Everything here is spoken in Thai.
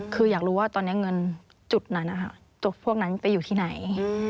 คืออยากรู้ว่าตอนนี้เงินจุดนั้นนะคะพวกนั้นไปอยู่ที่ไหน